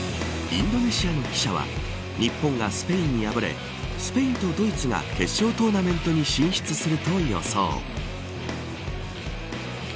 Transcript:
インドネシアの記者は日本がスペインに敗れスペインとドイツが決勝トーナメントに進出すると予想。